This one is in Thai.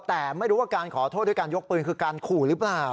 แต่ไม่รู้ว่าการขอโทษด้วยการยกปืนคือการขู่หรือเปล่า